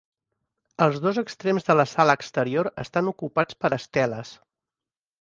Els dos extrems de la sala exterior estan ocupats per esteles.